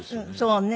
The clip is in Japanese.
そうね。